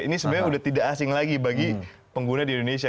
ini sebenarnya sudah tidak asing lagi bagi pengguna di indonesia